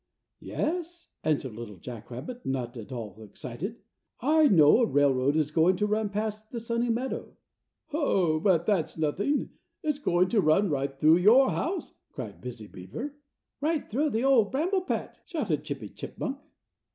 "Yes," answered Little Jack Rabbit, not at all excited, "I know a railroad is going to run past the Sunny Meadow." "Oh, but that's nothing! It's going to run right through your house!" cried Busy Beaver. "Right through the Old Bramble Patch!" shouted Chippy Chipmunk.